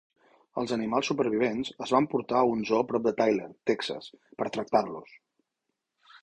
Els animals supervivents es van portar a un zoo prop de Tyler, Texas, per tractar-los.